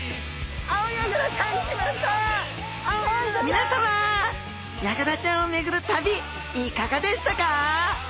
皆さまヤガラちゃんを巡る旅いかがでしたか？